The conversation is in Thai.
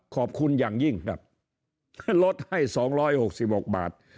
ขอบคุณอย่างยิ่งครับถ้าลดให้๒๖๖บาท